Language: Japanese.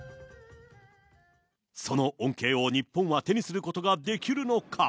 その恩恵を日本は手にすることができるのか。